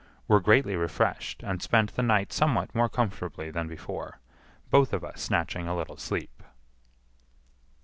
Were greatly refreshed, and spent the night somewhat more comfortably than before, both of us snatching a little sleep.